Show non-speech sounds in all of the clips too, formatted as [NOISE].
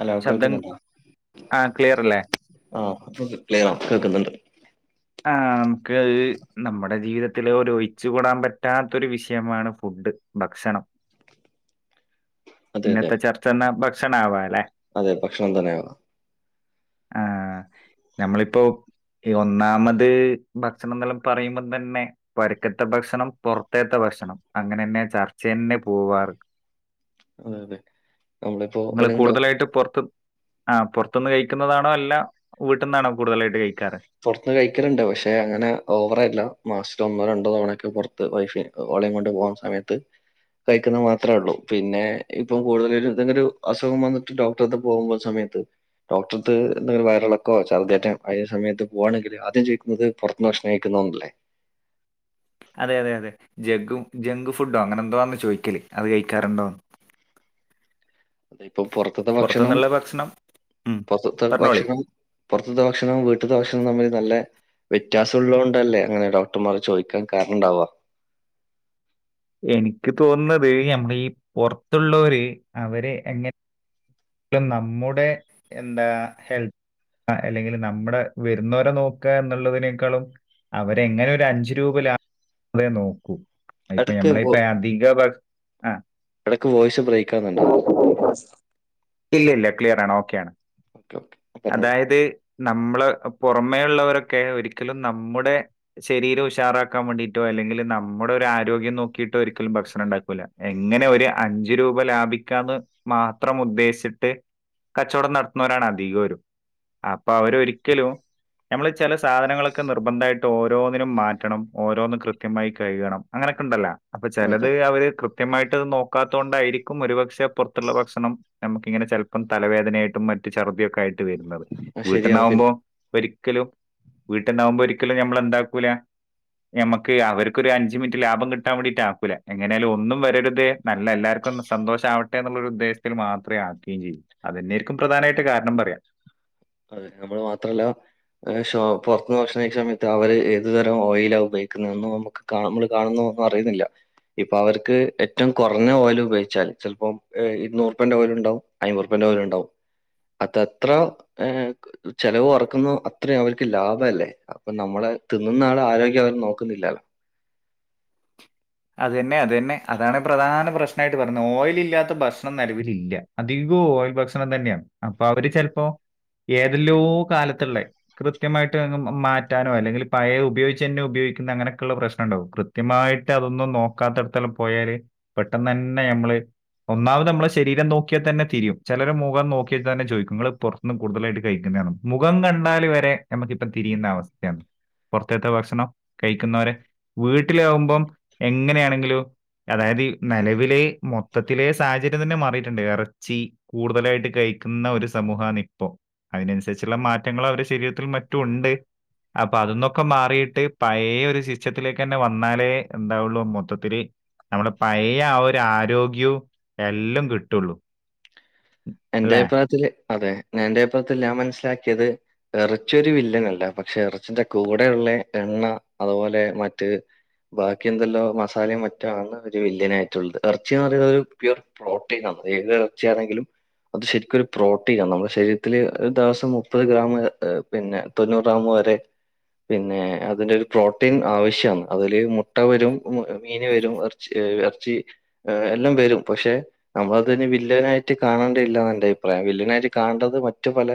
അല്ല ശബ്ദം കേൾക്കുന്നുണ്ട ആ ക്ലിയർ അല്ലേ? ആഹ അപ്പ ക്ലറ ആ കേക്കുന്നുണ്ട് ആ് നമുക്ക് നമ്മുടെ ജീവിതത്തിൽ ഒഹിച്ച കൂടാൻ പറ്റാത്തൊരു വിഷയമാണ് ഫുഡ് ഭക്ഷണം അതെ അതെ ഇന്നത്തെ ചർച്ചന്ന ഭക്ഷണ ആവാ അല്ലേ അതെ ഭക്ഷണം തന്നെയാണ് ആഹ നമ്മളിപ്പോൊ ഒ ഒന്നാമത് ഭക്ഷണംന്തെല്ലാം പറയുമ്പോൾ തന്നെ പരക്കത്ത ഭക്ഷണം പുറത്തത്തെ ഭക്ഷണം അങ്ങനെ തന്നെ ചർച്ച തന്നെ പോവാറ് അതെ അതെ നമ്മളിപ്പോ നിങ്ങള് ഏതെങ്കിലും ഡോ- കൂടുതലായിട്ട് പുറത്തും ആ പുറത്തുനിന്ന് കഴിക്കുന്നതാണോ അല്ല വീട്ടിൽന്നാണോ കൂടുതലായിട്ട് കഴിക്കാറ് കഴിക്കറുണ്ട് പക്ഷെ അങ്ങനെ ഓവറല്ല മാസത്തില ഒന്നോ രണ്ടോ തവണയൊക്കെ പുറത്ത് വൈഫി ഓളയും കൊണ്ട് പോ സമയത്ത് കഴിക്കുന്നത് മാത്രേ ഉള്ളൂ പിന്നെ ഇപ്പം കൂടുതലും ഇതെങ്കിലും അസുഖം വന്നിട്ട് ഡോക്ടർ പോകുമ്പോൾ സമയം ഡോക്ടർിലും വയറിളക്കോ ചർറ്റ അ സമയത്ത് പോവാണെങ്കിൽ ആദ്യം ചോദിക്കുന്നത് പുറത്തുന്ന്ക്ഷണഹിക്കുന്നന്നല്ലേ അതെ അതെ അതെ ജ ജക് ഫുഡോ അങ്ങനെ എന്തോന്ന് ചോദിക്കല്േ അത് കഴിക്കാറുണ്ടോന്ന് [INAUDIBLE] അത ഇപ്പൊ പുറത്തത്തെ ഭക്ഷണം പുറത്തുന്നുള്ള ഭക്ഷണം ഉം. പുൊറത്തെ പറഞ്ഞോളി ഭക്ഷണം പുൊറത്തത്തെ ഭക്ഷണംവും വീട്ടത്തെ ഭക്ഷണം മ്മ നല്ല വ്യത്യാസം ഉള്ളതത് കൊണ്ടല്ലേ അങ്ങനെ ഡോക്ടർമാർ ചോദിക്കാൻ കാരണം ഉണ്ടാവാ [INAUDIBLE] എനിക്ക് തോന്നുന്നത് നമ്മള ഈ പുറത്തുള്ളവര് അവര് എങ്ങനെ ഇ നമ്മുടെ എന്താ ഹെൽത്ത് ആ അല്ലെങ്കിൽ നമ്മുടെ വരുന്നവരെ നോക്കുക എന്നുള്ളതിനേക്കാളും അവരെങ്ങനെ ഒരു അഞ്ചു രൂപ ലാതെ നോക്കൂ ഇപ്പൊ ഇടക്ക് ഞമ്മളെപ്പ വോ- അധിക ആ ഇടക്ക് വോയിസ് ബ്രേക്ക്ാന്നണ്ടോ ക്ലിയർണ് ഓക്കൊണ് പറഞ്ഞോളൂ അതായത് നമ്മള് പുറമേ ഉുള്ളവരൊക്കെ ഒരിക്കലും നമ്മുടെ ശരീരം ഉഷാറാക്കാൻ വേണ്ടിട്ടോ അല്ലെങ്കിൽ നമ്മുടെ ഒരു ആരോഗ്യ നോക്കിട്ട് ഒരിക്കലും ഭക്ഷണം ഉണ്ടാക്കൂ എങ്ങനെ ഒരു അഞ്ച് രൂപ ലാഭിക്കാന്ന് മാത്രം ഉദ്ശ ട്ട് കച്ചവടം നടത്തുന്നവരാണ് അധികര അപ്പൊ അവര ഒരിക്കലും നമ്മൾ ചില സാധനങ്ങളൊക്കെ നിർബന്ധമായിട്ട് ഓരോന്നിനും മാറ്റണം ഓരോന്ന്ും കൃത്യമായി കഴുകണം അങ്ങനെ ണ്ടല്ല അപ്പൊ ചിലത് അതെ അവര് കൃത്യമായിട്ട് നോക്കാത്ത കൊണ്ടായിരിക്കും ഒരുപക്ഷെ പുറത്തുള്ള ഭക്ഷണം നമുക്ക് ഇങ്ങനെ ചിലപ്പം തലവേദനയായിട്ടും മറ്റ് ചർദിയൊക്കെ ആയിട്ട് വരുന്നത് ആ, ശരിയാണ് പിന്നെ വീട്ടന്നാവുമ്പോ ഒരിക്കലും വീട്ടന്നാവകുമ്പോ ഒരിക്കല നമ്മൾ എന്താക്കല നക്ക് അവർക്ക അഞ് മിനി ലാഭം കിട്ടാൻ വേണ്ടിട്ട ആാക്കൂല എങ്ങനാലും ഒന്നും വരരുത് നല്ല എല്ലാവർക്കും സന്തോഷം ആവട്ടെ എന്നുള്ളരു ഉദ്ദേശത്തിൽ മാത്രമേ ആക്കുകയും ചെയ്യൂ അത്െന്നെരിക്കും പ്രധാനമായിട്ട് കാരണം പറയാം അതെ നമ്മള് മാത്രല്ല പുറത്തു ഭക്ഷണ സമയത്ത് അവര് ഏതു തരം ഓയിൽ ആകുമ്പ കേ ന നമ്മള് കാണുന്ന ഒന്നും അറിയുന്നില്ല ഇപ്പൊ അവർക്ക് ഏറ്റവും കുറഞ്ഞ ഓൽ ഉപയിച്ചാൽ ചിലപ്പോ ഇുന്നൂറുപ്പേന്റെ ഓൽ ഉണ്ടാവും അഞ്ഞൂറ്ുപ്പ ണ്ടാവും അതത്ര ഹ ചെിലവ് ഉറക്കുന്ന അത്രയും അവർക്ക് ലാഭമല്ലേ അപ്പൊ നമ്മളെ തിന്നുന്ന ആള് ആരോഗ്യ നോക്കുന്നില്ലല്ലോ [UNINTELLIGIBLE] അത്തന്നെ അത്തന്നെ അതാണ് പ്രധാന പ്രശ്നമായിട്ട് പറഞ്ഞത് ഓയിൽ ഇല്ലാത്ത ഭക്ഷണം നിലവില ഇില്ല അധിക ഭക്ഷണം തന്നെയാണ് അപ്പൊ അവര് ചിലപ്പോ ഏതെല്ലോ കാലത്തുള്ള കൃത്യമായിട്ട് മാറ്റാനോ അല്ലെങ്കിൽ പഴയ ഉപയോഗിച്ചു തന്നോ ഉപയോഗ അങ്ങനൊക്കെയുള്ള പ്രശ്നം ഉണ്ടക കൃത്യമായിട്ട് മ അതൊന്നും നോക്കാത്തടത്തല്ലാം പോയാല് പെട്ടെന്ന് തന്നെ നമ്മള് ഒന്നാമത് നമ്മെ ശര നോക്കിയാൽ തന്നെതിരും ചിലർ മുഖം നോക്കിയാൽ തന്നെോദിക്കങ്ങൾ പുറത്ത നിന്ന് കൂടുതലായിട്ട കഴിക്കുന്നു മുഖം കണ്ടാല് വരെ നമുക്കിപ്പം തിരിയുന്ന അവസ്ഥയാണ് പുറത്തത്തെ ഭക്ഷണം കഴിക്കുന്നവരെ വീട്ടിലാാവുമ്പം എങ്ങനെയാണെങ്കിലും അതായത് നിലവിലെ മൊത്തത്തിലെ സാഹചര്യം തന്നെ മാറിയിട്ടുണ്ട് ഇറച്ചി കൂടുതലായിട്ട് കഴ ുന്ന ഒരു സമൂഹണ ഇപ്പോ അതിനനുസരിച്ചുള്ള മാറ്റങ്ങൾ അവടെ ശരീരത്തിൽ മറ്റും ഉണ്ട് അപ്പൊ അതന്നൊക്കെ മാറിയിട്ട് പഴയ ഒരു ശിക്ഷ്യത്തിലേക്ക് തന്നെ വന്നാലേ എന്താവള്ളൂ മൊത്തത്തി നമ്മള് പഴയ ആ ഒരു ആരോഗ്യവും എല്ലാം കിട്ടുള്ളൂ എന്റെ അല്ലേ? അഭിപ്രായത്തില് അതെ ഞാൻ എൻന്റെപ്പുറത്ത് ഞാൻ മനസ്സിലാക്കിയത് ഇറച്ചൊരു വില്ലനല്ല പക്ഷെ ഇറച്ചിന്റെ കൂടെയുള്ള എണ്ണ അതുപോലെ മറ്റ് ബാക്കി എന്തല്ലോ മസാലയും മറ്റാണ് ഒരു വില്യനായിയിട്ടുള്ളത് ഇറച്ചിന്ന് പറയുന്നത് ഒരു പ്യൂർ പ്രോട്ടീൻ ആണ് അ ഏത് തർച്ചയാണെങ്കിലും അത് ശരിക്കരു പ്രോട്ടീൻണ് നമ്മുടെ ശരീത്തിത്തില് ഒരു ദിവസം മുപ്പത് ഗ്രാം പിന്നെ തൊണ്ണൂറ് ഗ്രാമ വരെ അത പിന്നെ അതിന്റെ ഒരു പ്രോട്ടീൻ ആവശ്യമാണ് അതില് മുട്ട വരും മീന് വരും ഇറച്ചി എല്ലാം വരും പക്ഷെ നമ്മളത്െ വില്ലനായിട്ട് കാണാ ല്ല എന്റെ അഭിപ്രായം വല്നായിര് കാണ്ടത് മറ്റു പല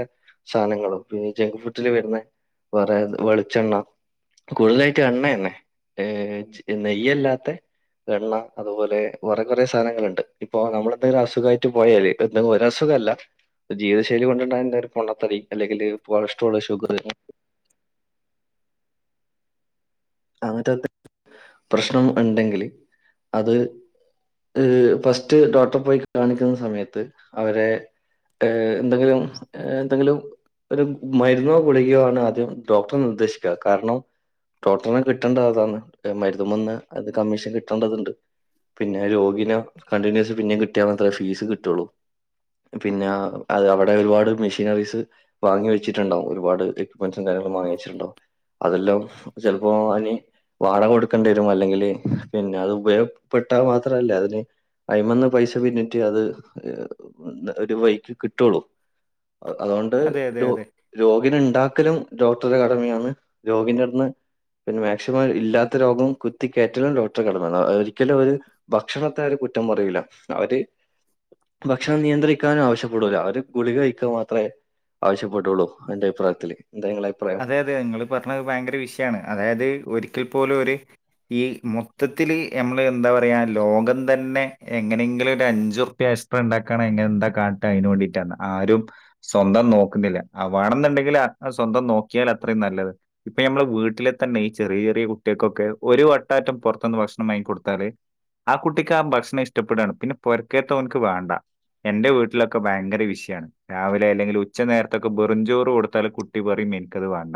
സാധനങ്ങളും പിന്നെ ജങ്ക് ഫുഡില് വരുന്ന വറെേ വെളിച്ചെണ്ണ കൂടുതലായിട്ട് എണ്ണ തന്നെ ഏ നെയ്യല്ലാത്ത എണ്ണ അതുപോലെ കുറെ കുറെേ സാധനങ്ങളുണ്ട് ഇപ്പൊ നമ്മൾ എന്തെങ്കിലും അസുഖമായിട്ട് പോയാല് എന്നും ഒ അസുഖല്ല ജീവിതശൈലി കൊണ്ടുണ്ട എന്ത പൊണത്തറി അല്ലെങ്കിൽ വളഷ്ടമുള്ള സുഖ അങ്ങനത്തെ പ്രശ്നം ഉണ്ടെങ്കിൽ അത് ഫസ്റ്റ് ഡോക്ടറെ പോയി കാണിക്കുന്ന സമയത്ത് അവരെ ഏ എന്തെങ്കിലും എന്തെങ്കിലും ഒരു മരുന്നോ കുളിക്കയോ ആണ് ആദ്യം ഡോക്ടറെ നിർദ്ദേശിക്കുക കാരണം ഡോക്ടറിന കിട്ടേണ്ടതാണ് മതും വന്ന് അത് കമ്മീഷൻ കിട്ടേണ്ടതുണ്ട് പിന്നെ രോഗീെ കണ്ടിന്യൂസ് പിന്നെ കിട്ടിയാത്ര ഫീസ് കിട്ടുള്ളു പിന്നെ ഒ [INAUDIBLE] അതെല്ല അപ്പൊ അതിന് വാടക കൊടുക്കേണ്ടി വരും അല്ലെങ്കില് പിന്നെ അത് ഉപയോഗപ്പെട്ടാൽ മാത്രല്ലേ അതിന് അയമന്ന് പൈസ പിന്നിട്ടേ അത് ഒരു വൈക്ക് കിട്ടുള്ളൂ അതുകൊണ്ട് അതെ അതെ ര അതെ രോഗിന ഉണ്ടാക്കലും ഡോക്ടറ കടമയാണ് രോഗന്റെ അടുതന്ന് പിന്നെ മാക്സിമം ഇല്ലാത്ത രോഗം കുത്തിക്കയറ്റലും ഡോക്ടർ കടമ ഒരിക്കലും ഒരു ഭക്ഷണത്തെ ഒരു കുറ്റ റയൂല അവര് ഭക്ഷണം നിയന്ത്രിക്കാനും ആവശ്യപ്പെടൂല അവര് ഗുളിക കഴിക്കുക മാത്രമേ ആവശ്യപ്പെട്ടുള്ളൂ എന്റെ അഭിപ്രായത്തില് എന്താ നിങ്ങളെ അഭിപ്രായം? അതെ അതെ ഇങ്ങള് പറഞ്ഞത് ഭയങ്കര വിഷ്യയാണ് അതായത് ഒരിക്കൽ പോലും ഒരു ഈ മൊത്തത്തില് ഞമ്മള് എന്താ പറയാ ലോകം തന്നെ എങ്ങനെങ്കിലും ഒരു അഞ്ചു ഉർപ്യ [UNINTELLIGIBLE] ണ്ടാക്കാനായി എങ്ങനെ എന്താ കാട്ടാ അയിനു വേണ്ടിട്ടാണ് ആരും സ്വന്തം നോക്ക്ന്നില്ല ആവ വേണംന്ന്ണ്ടെങ്കിൽ [UNINTELLIGIBLE] സ്വന്തം നോ ക്കിയാൽ അത്രയും നല്ലത് ഇപ്പൊ അമ്മളെ വീട്ടിലെ തന്നെ ഈ ചെറിയ ചെറിയ കുട്ടിയാക്കൊക്കെ ഒരു വട്ട യറ്റം പൊറത്ത്ന്ന് ഭ ഭക്ഷ്ണം വാങ്ങിക്കൊടുത്താല് ആ കുട്ടിക്ക് ആ ഭക്ഷ്ണം ഇഷ്ട്ടപ്പെടയാണ് പിന്നെ പൊര്ക്കേത്ത ഓൻക്ക് വേണ്ട എന്റെ വീട്ടിലൊക്കെ ഭയങ്കര വിഷയാണ് രാവിലെ അല്ലെങ്കിൽ ഉച്ച നേരത്തൊക്കെ ബെറുംചോറ് കൊടുത്താല് കുട്ടി വെറി മീൻ ഇത് വേണ്ട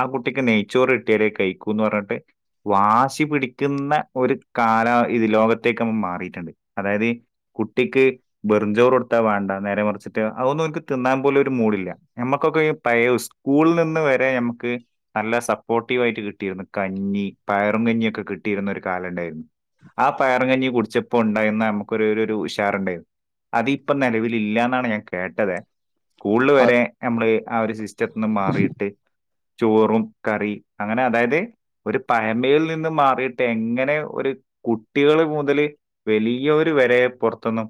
ആ കുട്ടിക്ക് നെയ്ച്ചോറ് കിട്ടിയാലേ കഴിക്കൂന്ന് പറഞ്ഞിട്ട് വാശി പിടിക്കുന്ന ഒരു കാ ലം ഇത് ലോകത്തേക്ക് മാറിയിട്ട്ണ്ട് അതായതീ കുട്ടിക്ക് ബെറുംചോറ് കൊടുത്താ വേണ്ട നേരെ മറിച്ചിട്ട് അതൊന്നും ഓൻക്ക് തിന്നാൻ പോലും ഒരു മൂടില്ല നമ്മ കൊറെ പഴേ ഉസ്കൂൾ നി ഇന്ന് വരെ നമക്ക് നല്ല സപ്പോർട്ടിവാ യിട്ട് കിട്ടിയത് കഞ്ഞീ പയറും കഞ്ഞിയൊക്കെ കിട്ടിരുന്ന ഒരു കാ കാലം ഇണ്ടായിരുന്നു ആ പയറും കഞ്ഞി കുടിച്ചപ്പോ ഉണ്ടായിരുന്ന നമുക്കൊര് ഒരു ഒരു ഉഷാറുണ്ടേരുന്നു അതിപ്പം നെലവില് ഇല്ലാന്നാണ് ഞാൻ കേട്ടതേ സ്കൂൾല് അ വരെ ഞമ്മള് ആ ഒരു സിസ്റ്റത്ത്ന്ന് മാറി ചോറും കറി അങ്ങനെ അതായത് ഒരു പഴമേൽ നിന്ന് മാറിയിട്ടെങ്ങനെ ഒര് കുട്ടികള് മുതല് വലിയവര് വരെ പൊറത്ത്ന്ന്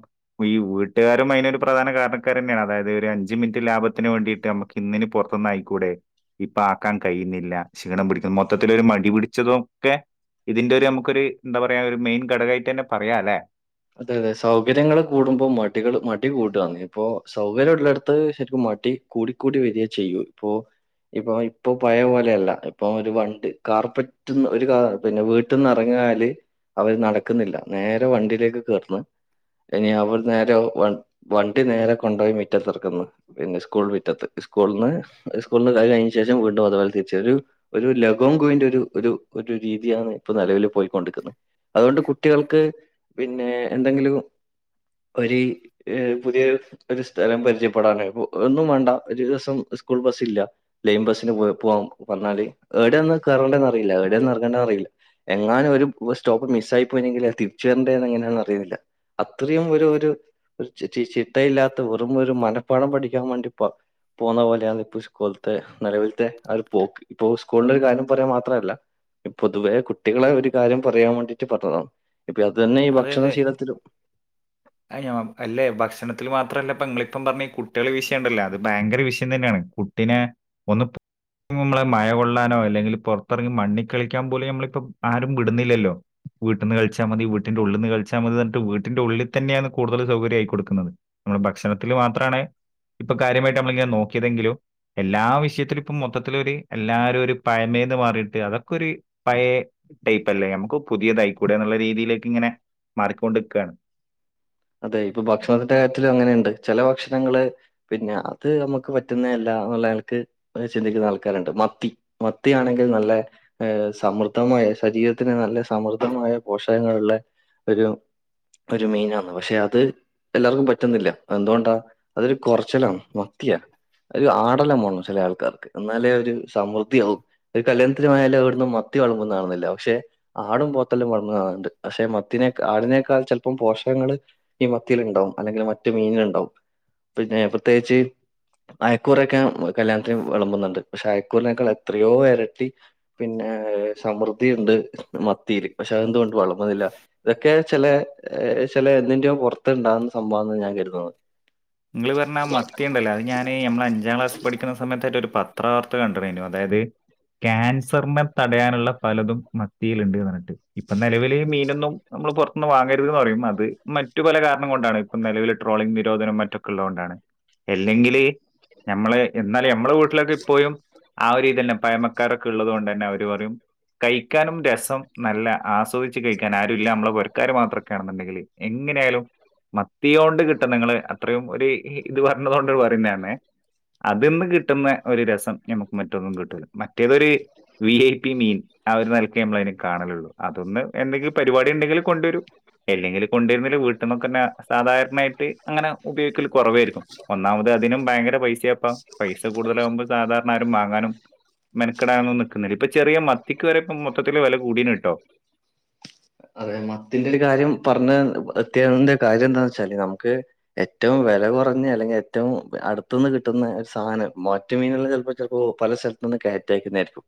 ഈ വീട്ടുകാരും അയിന് ഇതിന്റെ പ്രധാനകാരണക്കാരെന്നെ യാണ് അതായത് ഒരു അഞ്ച് മിനിറ്റ് ലാഭത്തിന് വേണ്ടീട്ട് അമ്മക്ക് ഇന്നിന് പൊറത്ത്ന്ന് ആയിക്കൂടെ ഇപ്പൊ ആക്കാൻ കയ്യിന്നില്ല ക്ഷീണം പിടിക്കും മൊത്തത്തിലുരു മടി പിടിച്ചതൊക്കെ ഇതിന്റെ ഒരു അമുക്കൊരു എന്താ പറയാ ഒരു മെയിൻ ഘടകായിട്ടെന്നെ പറയാല്ലെ അതെ അതെ സൗകര്യങ്ങള് കൂടുമ്പോ മടികള് മടി കൂടാന്ന് ഇപ്പൊ സൗകര്യ ഉള്ളെടത്ത് ശരിക്കും മ ടി കൂടിക്കൂടി വെരാ ചെയ്യൂ ഇപ്പൊ ഇപ്പോ ഇപ്പൊ പഴയ പോലെയല്ല ഇപ്പൊ ഒരു വണ്ട് കാർപ്പറ്റ്ന്ന് ഒരു കാ പിന്നെ വീട്ടിന്ന് എറങ്ങ യാല് അവര് നടക്ക്ന്നില്ല നേരെ വണ്ടിയിലേക്ക് കേറ്ന്ന് ഇനി അവട്ന്ന് നേരെ വണ്ട് നേരെ കൊണ്ടോയി മിറ്റത്ത് എർക്ക്ന്ന് പിന്നെ സ്കൂൾ മിറ്റത്ത് സ്കൂൾന്ന് ഒരു സ്കൂള്ന്ന് അത് കഴിഞ്ഞശേഷം വീണ്ടും അതുപോലെ തിരിച്ച് വരും ഒരു ഒരു ലെഗോൺ ഗോയിന്റെ ഒരു ഒരു ഒരു രീതിയാണ് ഇപ്പൊ നെലവിൽ പൊയിക്കൊണ്ടിക്ക്ന്നത് അതൊണ്ട് കുട്ടികൾക്ക് ന്നെ എന്തെങ്കിലും ഒര് ഏ പുതിയൊര് ഒരു സ്ഥലം പരിചയപ്പെടാന് ഉ ഒന്നും വേണ്ട ഒരൂ സൊ സ്കൂൾ ബസ് ഇല്ല ലെയ്ൻ ബസ്സിന് പോ പോവാം പർന്നാല് ഏടെയാന്ന് കേറണ്ടേന്ന് അറിയില്ല ഏടെയാണ് എറങ്ങണ്ടേ അറിയില്ല എങ്ങാനും ഒരു [UNINTELLIGIBLE] സ്റ്റോപ്പ് മിസ്സായി പോയിനെങ്കില് അത് തിരിച്ചു വരണ്ടേ ന്നെങ്ങനാ യെന്നറിയുന്നില്ല അത്രയും ഒരു ഒരു ഒര് ചി ചി ചി ചിട്ടയില്ലാത്ത വെറും ഒരു മനപ്പാഠം പഠിക്കാൻ വേണ്ടിപ്പം പ്പോന്ന പോലെയാന്ന് ഇപ്പ ഉസ്കൂൾത്തെ നെലവിൽത്തെ ആ ഒരു പോക്ക് ഇപ്പൊ സ്കൂളിന്റെ ഒരു കാരണം പറയാൻ മാത്രല്ല പൊതുവേ കുട്ടികളെ ഒരു കാര്യം പറയാൻ വേണ്ടിട്ട് പറ്റണം ഇപ്പ അതെ ന്നെ അതെ അതെ അയ്ഞാം അല്ലെ ഭക്ഷണ ത്തില് മാത്രല്ലപ്പം ഇങ്ങളീപ്പം പറഞ്ഞ കുട്ടികളെ വിഷയം ഉണ്ടല്ലോ അത് ഭയങ്കര വിഷയം തന്നെയാണ് കുട്ടിനെ ഒന്ന് ഇമ്മളെ മഴ കൊള്ളാനോ അല്ലെങ്കില് പൊറത്തെറങ്ങി മണ്ണിക്കളിക്കാൻ പോലും നമ്മളിപ്പോ ആരും വിടുന്നില്ലല്ലോ വീട്ട്ന്ന് കളിച്ചാൽ മതി വീ വീട്ടിന്റെ ഉള്ള്ന്ന് കളിച്ചാൽ മതി ഞ്ഞിട്ട് വീട്ടിന്റെ ഉള്ളിൽ തന്നെയാണ് കൂടുതൽ സൗകര്യം ആയി കൊടുക്ക്ന്നത് നമ്മള് ഭക്ഷണത്തിൽ മാത്രാണ് ഇപ്പൊ കാര്യമായിട്ട് നമ്മള് ഇങ്ങനെ നോക്കിയതെങ്കിലും എല്ലാ വിഷയത്തിലും ഇപ്പം മൊത്തത്തിൽ ഒരു എല്ലാരൊര് പഴമ എന്ത് മാറീട്ട് അതൊക്കൊര് പഴേ ടൈപ്പല്ലേ അമൊക്ക് പുതിയതായിക്കൂടെ എന്നുള്ള രീതില് ഇങ്ങനെ മാറിക്കൊണ്ട്ക്കയാണ് അതെ ഇപ്പൊ ഭക്ഷണത്തിന്റെ കാര്യത്തിൽ അങ്ങനെ ഇണ്ട് ചെല ഭക്ഷണങ്ങള് പിന്നെ അത് അമക്ക് പറ്റുന്നെ അല്ലാ ആ നല്ല ആൾക്ക് അത് ചിന്തിക്കുന്ന ആൾക്കാര് ഇണ്ട് മത്തി മത്തി ആണെങ്കിൽ നല്ലെ ഏ സമൃദ്ധമാ മായ ശരീരത്തിന് നല്ല സമൃദ്ധമായ പോഷകങ്ങളുള്ള ഒരു ഒരു മീനാണ് പക്ഷെ അത് എല്ലാവർക്കും പറ്റുന്നില്ല അത് എന്തുകൊണ്ടാ അതൊരു കൊറച്ചലാണ് മത്തിയാ ഒരു ആടെല്ലാം വേണം ചെല ആൾക്കാർക്ക് എന്നാലേ ഒരു സമൃദ്ധിയാവൂ ഒരു കല്യാണത്തിന് പോയാല് അവിടുന്ന് മ മത്തി വെള്മ്പ്ന്ന കാണുന്നില്ല പക്ഷെ ആടും പോത്തെല്ലാം വെള്മ്പ്ന്ന കാണുന്നുണ്ട് പക്ഷെ മത്തിനെക്ക ആടിനേക്കാൾ ചെലപ്പോം പോഷകങ്ങള് ഈ മത്തികളുണ്ടാവും അല്ലെങ്കിൽ മറ്റു മീനുകൾ ഉണ്ടാവും പിന്നെ പ്രത്യേകിച്ച് അയക്കൂറയൊക്കെ കല്യാണത്തിന് വിളമ്പുന്നുണ്ട് പക്ഷെ അയക്കൂറിനേക്കാൾ എത്രയോ ഇരട്ടി പിന്നെ സമൃദ്ധിയുണ്ട് മത്തിയിൽ പക്ഷെ അതെന്തുകൊണ്ട് വളമ്പുന്നില്ല ഇതൊക്കെ ചില എ ചില എന്തിൻറെയോ പുറത്തുണ്ടകുന്ന സംഭവാന്ന് ഞാൻ കരുതുന്നത്. നിങ്ങൾ പറഞ്ഞ മത്തിയുണ്ടല്ലോ അത് ഞാന് നമ്മള് അഞ്ചാം ക്ലാസ്സിൽ പഠിക്കുന്ന സമയത്തൊരു പത് ത്ര വാർത്ത കണ്ടനു അതായത് ക്യാൻസറിനെ തടയാനുള്ള പലതും മത്തിയിലുണ്ട്ന്ന് പറഞ്ഞിട്ട് ഇപ്പൊ നിലവില് മീനൊന്നും നമ്മള് പുറത്തന്ന് വാങ്ങരുത്തന്ന് പറയും അത് മറ്റു പല കാരണം കൊണ്ടാണിപ്പ നിലൽ ട്രോളിംഗ് നിരോധനം മറ്റു ള്ളൊണ്ടാണ് അല്ലെങ്കില് ഞമ്മള് എന്നാലും ഞമ്മള് വീട്ടിലൊക്കെ ഇപ്പോയും ആ ഒരു ഇതന്നെ പഴമക്കാരൊക്കെ ഉള്ളത് കൊണ്ട് തന്നെ അവർ പറയും കഴിക്കാനും രസം നല്ല ആസ്വദച്ച് കഴിക്കാൻ ആരും ഇല്ല നമ്മളെ ആൾക്കാർ മാത്രൊക്കെ ആണെന്നുണ്ടെങ്കില് എങ്ങനെയായാലും മത്തിയോണ്ട് കിട്ടുന്നിങ്ങള് അത്രയും ഒരു ഇത് പറഞ്ഞതൊണ്ട് പറയുന്നതാണ് അതിൽന്ന് കിട്ടുന്ന ഒരു രസം ഞമുക്ക് മറ്റൊന്നും കിട്ടൂല്ല മറ്റേതൊരു വി ഐ പി മീൻ ആ ഒരു നൽക നമ്മൾ അതിനെ കാണൂ അതൊന്ന് എന്തെങ്കിലും പരിപാടി ഉണ്ടെങ്കിൽ കൊണ്ടുവരും അല്ലെങ്കില് കൊണ്ടുവരുന്നല് വീട്ടിൽന്നൊക്കെ തന്നെ സാധാരണയായിട്ട് അങ്ങനെ ഉപയോഗിക്കൽ കുറവായിരിക്കും ഒന്നാമത് അതിനും ഭയങ്കര പൈസയപ്പാ പൈസ കൂടുതലാകുമ്പോ സാധാരണ ആരും വാങ്ങാനും മെനക്കെടാനൊന്നും നിക്കുന്നില്ല ഇപ്പൊ ചെറിയ മത്തിക്ക് വരെ മൊത്തത്തില് വില കൂടീന്ന് കട്ടോ അതെ മത്തിന്റെ ഒരു കാര്യം പറഞ്ഞ എത്യാന്റെ കാര്യം എന്താന്ന് വച്ചാല് നമുക്ക് ഏറ്റവും വി വില കുറഞ്ഞ അല്ലെങ്കിൽ ഏറ്റവും അടുത്തുന്ന് കിട്ടുന്ന ഒരു സാധനം മറ്റു മീനുകള് ചിലപ്പോ ചിലപ്പോ പല സ്ഥലത്ത് നിന്നും കയറ്റിയക്കുന്നതരിക്കും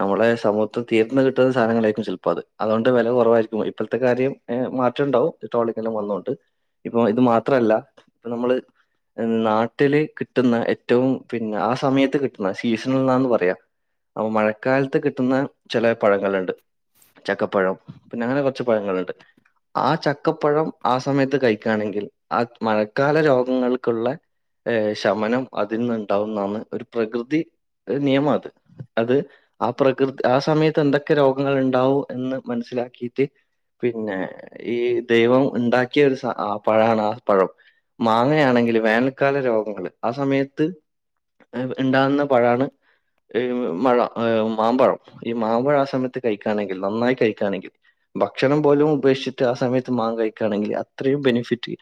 നമ്മടെ സമൂഹത്ത് തീർന്ന് കിട്ടുന്ന സാധങ്ങളായിരിക്കും ചിലപ്പോ അത് അതുകൊണ്ട് വില കുറവായിരിക്കും. ഇപ്പോഴത്തെ കാര്യം ഏ മാറ്റംണ്ടാവും [UNINTELLIGIBLE] വന്നൊണ്ട് ഇപ്പൊ ഇത് മാത്രല്ല ഇപ്പൊ നമ്മള് നാട്ടില് കിട്ടുന്ന ഏറ്റവും പിന്നെ ആ സമയത്ത് കിട്ടുന്ന സീസണിൽ എന്നാന്ന് പറയാം അപ്പൊ മഴക്കാലത്ത് കിട്ടുന്ന ചില പഴങ്ങളുണ്ട് ചക്കപ്പഴം പിന്നെ അങ്ങനെ കുറച്ച് പഴങ്ങളുണ്ട് ആ ചക്കപ്പഴം ആ സമയത്ത് കഴിക്കുകയാണെങ്കിൽ ആ മഴക്കാല രോഗങ്ങൾക്കുള്ള ഏറെ ശമനം അതിൽന്നുണ്ടാവുന്നതാണ് ഒരു പ്രകൃതി ഒരു നിയമം അത് അത് ആ പ്രകൃത് ആ സമയത്ത് എന്തൊക്കെ രോഗങ്ങൾ ഉണ്ടാവും എന്ന് മനസ്സിലാക്കി ട്ട് പിന്നെ ഈ ദൈവം ഉണ്ടാക്കിയ ഒരു സ ആ പഴാണ് ആ പഴം മാങ്ങയാണെങ്കില് വേനൽക്കാല രോഗങ്ങള് ആ സമയത്ത് ഉണ്ടാവുന്ന പഴാണ് മഴ മാമ്പഴം ഈ മാമ്പഴം ആ സമയത്ത് കഴിക്കായാണെങ്കിൽ നന്നായി കഴിക്കാണെങ്കിൽ ഭക്ഷണം പോലും ഉപേക്ഷിച്ചിട്ട് ആ സമയത്ത് മാങ്ങ കഴിക്കുകണെങ്കിൽ അത്രയും ബെനിഫിറ്റ്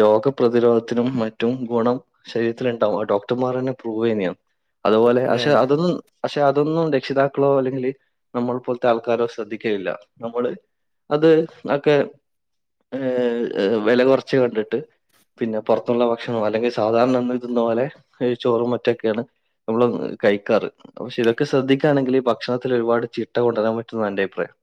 രോഗപ്രതി രോധത്തിനും മറ്റും ഗുണം ശരീരത്തിലുണ്ടാവും ആ ഡോക്ടർമാർ തന്നെ പ്രൂവ് ചെയ്യുന്നതാണ്. അതുപോലെ അതെ പക്ഷെ അതെ. അതൊന്നും പക്ഷെ അതൊന്നും ര രക്ഷിതാക്കളോ അല്ലെങ്കിൽ നമ്മൾ പോലത്തെ ആൾക്കാരോ ശ്രദ്ധിക്കയില്ല നമ്മള് അത് ഒക്കെ ഏ വില കുറച്ച് കണ്ടിട്ട് പിന്നെ പുറത്തുള്ള ഭക്ഷണവും അല്ലെങ്കിൽ സാധാരണ ഇത് തിന്നുന്ന പോലെ ചോറും മറ്റൊക്കെയാണ് നമ്മള് കഴിക്കാറ് പക്ഷെ ഇതൊക്കെ ശ്രദ്ധിക്കാണെങ്കിൽ ഈ ഭക്ഷണത്തിൽ ഒരുപാട് ചിട്ട കൊണ്ടുവരാൻ പറ്റുംന്നാണ് എന്റെ അഭിപ്രായം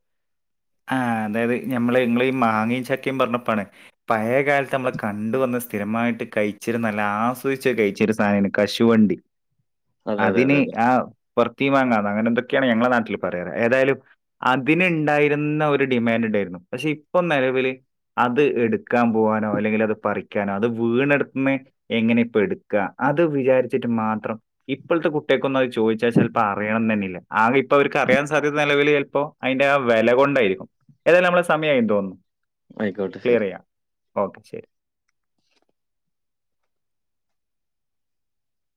ആ അതായത് ഞമ്മള് ഇങ്ങള് മാങ്ങയും ചക്കയും പറഞ്ഞപ്പാണ് പഴ കാലത്ത് നമ്മൾ കണ്ട വന്ന സ് സ്ഥിരമായിട്ട് കഴിച്ചിരുന്ന നല്ല ആസ്വദച്ച് കഴിച്ചിരു സാധനാണ് കശുവണ്ടി അതെ, അതെ, അതിന് അതെ, അതെ. ആ പൊർത്തി വാങ്ങാം അങ്ങനെ എന്തൊക്കെയാണ് ഞങ്ങളെ നാട്ടിൽ പറയാറ്. ഏതായാലും അതിനുണ്ടായി രുന്ന ഒരു ഡിമാൻഡ് ഉണ്ടായിരുന്നു. പക്ഷെ ഇപ്പൊ നിലവിൽ അത് എടുക്കാൻ പോവാനോ അല്ലെങ്കിൽ അത് പറി ക്കാന അത് വീണെടുത്തൂന്ന് എങ്ങനെ ഇപ്പ എടുക്ക അത് വിചാരിച്ചിട്ട് മാത്രം ഇപ്പോഴത്തെ കുട്ട് കൾക്കൊന്നും അത് ചോദിച്ചാ ചിലപ്പോ അറിയണമെന്നില്ല. ആകെ ഇപ്പൊ അവർക്ക് അറിയാൻ സാധ്യത നിലവിൽ ചിലപ്പോ അതിന്റെ ആ വിലകൊണ്ടായിരിക്കും ഏതായാലും നമ്മടെ സമയായിന്ന് തോന്നുന്നു. ആയിക്കോട്ടെ ക്ലിയർ ശെരി ചെയ്യാം ഓക്കെ ശരി